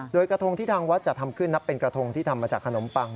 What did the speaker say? โดยกระทงที่ทางวัดจะทำขึ้นนับเป็นกระทงที่ทำมาจากขนมปัง